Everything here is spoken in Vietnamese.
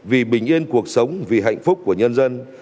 vì bình yên cuộc sống vì hạnh phúc của nhân dân